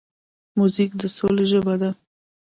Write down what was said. موزیک د سولې ژبه ده.